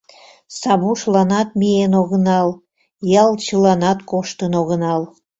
Савушланат миен огынал, ялчыланат коштын огынал.